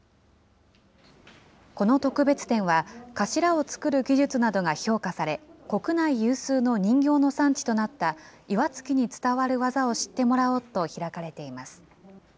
この特別展は、頭を作る技術などが評価され、国内有数の人形の産地となった岩槻に伝わる技を知ってもらおうと開かれています。